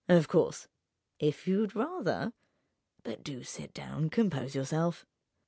Of course, if you'd rather ... But do sit down: compose yourself."